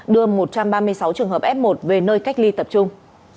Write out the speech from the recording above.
đưa một trăm ba mươi sáu trường hợp f một về nơi cách ly tập trung